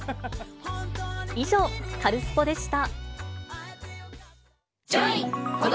以上、カルスポっ！でした。